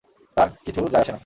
তার কিছু যায় আসে না।